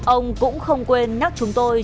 ông cũng không quên nhắc chúng tôi